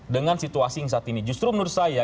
dengan situasi yang saat ini justru menurut saya